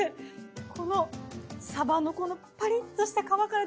このサバのこのパリッとした皮から出てくる